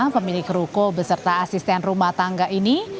pemilik ruko beserta asisten rumah tangga ini